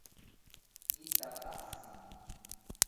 Itapaci